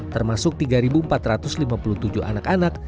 termasuk tiga empat ratus lima puluh tujuh anak anak